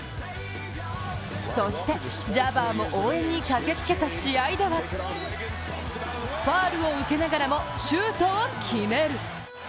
そしてジャバーも応援に駆けつけた試合ではファウルを受けながらもシュートを決める。